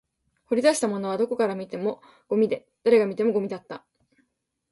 掘り出したものはどこから見てもゴミで、誰が見てもゴミだった